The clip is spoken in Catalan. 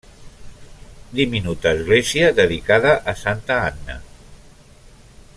Diminuta església dedicada a Santa Anna.